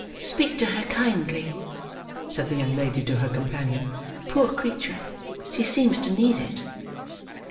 "Speak to her kindly," said the young lady to her companion. "Poor creature! She seems to need it."